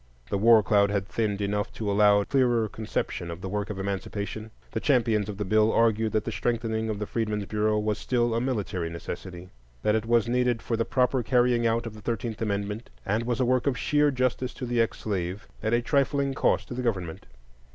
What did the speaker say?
The war cloud had thinned enough to allow a clearer conception of the work of Emancipation. The champions of the bill argued that the strengthening of the Freedmen's Bureau was still a military necessity; that it was needed for the proper carrying out of the Thirteenth Amendment, and was a work of sheer justice to the ex slave, at a trifling cost to the government.